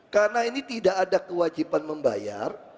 karena ini tidak ada kewajiban membayar